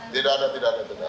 tidak ada tidak ada